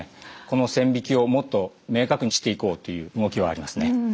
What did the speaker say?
この線引きをもっと明確にしていこうという動きはありますね。